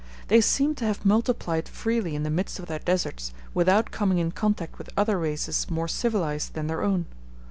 They seemed to have multiplied freely in the midst of their deserts without coming in contact with other races more civilized than their own.